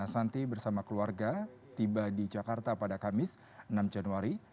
santi bersama keluarga tiba di jakarta pada kamis enam januari